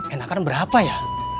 enakan berapa ya